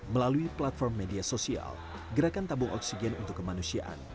melalui platform media sosial gerakan tabung oksigen untuk kemanusiaan